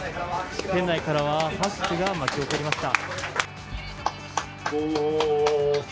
店内からは拍手が巻き起こりました。